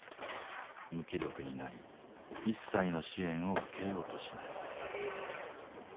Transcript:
無気力になり一切の支援を受けようとしない。